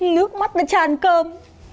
nước mắt đã chàn cơm